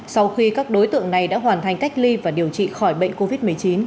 sau khi các đối tượng này đã hoàn thành cách ly và điều trị khỏi bệnh covid một mươi chín